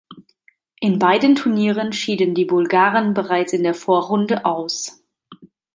In beiden Turnieren schieden die Bulgaren bereits in der Vorrunde aus.